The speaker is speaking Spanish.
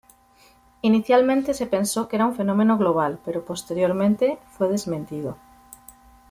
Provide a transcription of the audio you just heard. Inicialmente se pensó que era un fenómeno global, pero posteriormente fue desmentido.